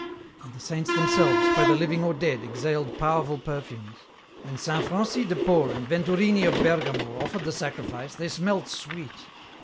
"And the Saints themselves, whether living or dead, exhaled powerful perfumes. " When Saint Francis de Paul and Venturini of Bergamo offered the Sacrifice they smelt sweet.